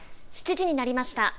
７時になりました。